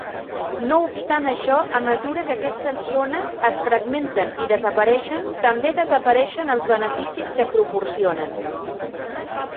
No obstant això, a mesura que aquestes zones es fragmenten i desapareixen, també desapareixen els beneficis que proporcionen.